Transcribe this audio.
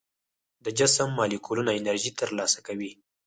د جسم مالیکولونه انرژي تر لاسه کوي.